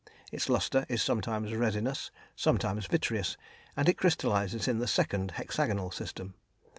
Its lustre is sometimes resinous, sometimes vitreous, and it crystallises in the 2nd (hexagonal) system.